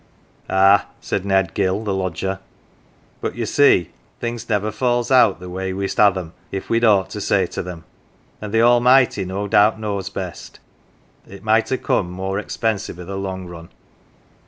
" Ah," said Ned Gill, the lodger, " but ye see things never falls out the way we'st ha' them if we'd aught to say to them. And the Almighty no doubt knows best. It might ha' coined more expensive i' the long run."